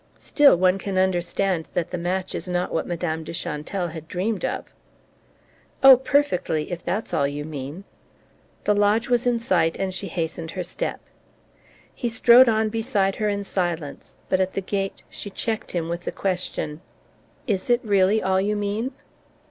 "Still, one can understand that the match is not what Madame de Chantelle had dreamed of." "Oh, perfectly if that's all you mean." The lodge was in sight, and she hastened her step. He strode on beside her in silence, but at the gate she checked him with the question: "Is it really all you mean?"